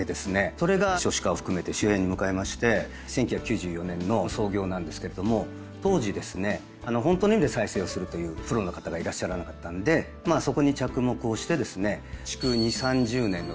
それが少子化を含めて終焉に向かいまして１９９４年の創業なんですけれども当時ですねホントの意味で再生をするというプロの方がいらっしゃらなかったんでまあそこに着目をしてですね築２０３０年のですね